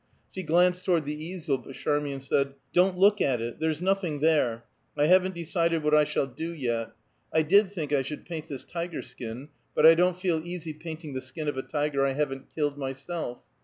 She glanced toward the easel, but Charmian said, "Don't look at it! There's nothing there; I haven't decided what I shall do yet. I did think I should paint this tiger skin, but I don't feel easy painting the skin of a tiger I haven't killed myself.